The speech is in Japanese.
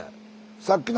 さっきの。